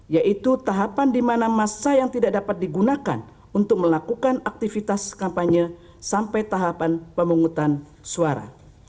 yaitu tahapan di mana masa yang tidak dapat digunakan untuk melakukan aktivitas kampanye sampai tahapan pemungutan suara